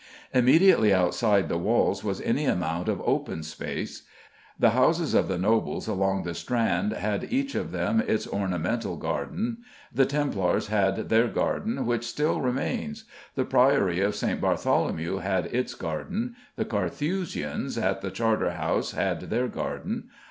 Immediately outside the walls was any amount of open space. The houses of the nobles along the Strand had each of them its ornamental garden. The Templars had their garden, which still remains. The Priory of St. Bartholomew had its garden; the Carthusians at the Charterhouse had their garden.